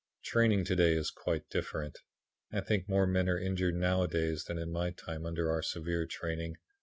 "Training to day is quite different. I think more men are injured nowadays than in my time under our severe training.